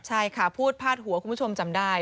ใช่ค่ะพูดพาดหัวคุณผู้ชมจำได้